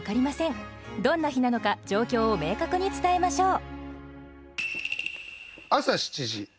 どんな日なのか状況を明確に伝えましょう。